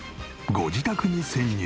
ご自宅に潜入。